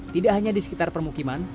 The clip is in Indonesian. tidak hanya di sekitar permukiman